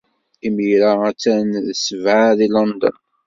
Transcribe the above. Imir-a, attan d ssebɛa deg London.